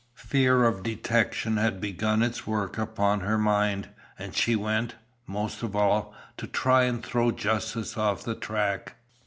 Fear of detection had begun its work upon her mind, and she went, most of all, to try and throw justice off the track.